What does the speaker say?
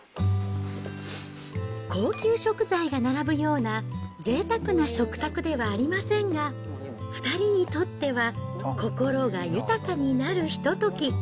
高級食材が並ぶようなぜいたくな食卓ではありませんが、２人にとっては心が豊かになるひととき。